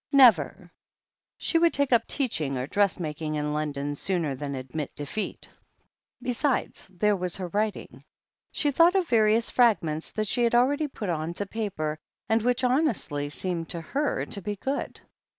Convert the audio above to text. Never! She would take up teaching or dressmaking in London, sooner than admit defeat. Besides, there was her writ ing. She thought of various fragments that she had already put on to paper, and which honestly seemed to her to be good.